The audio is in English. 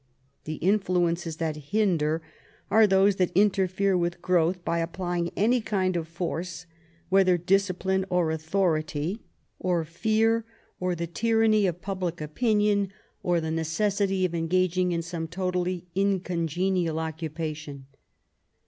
The influences that hinder are those that interfere with growth by applying any kind of force, whether discipline or authority or fear or the tyranny of public opinion or the necessity of engaging in some totally incongenial occupation.